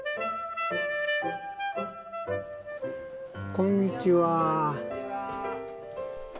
こんにちは。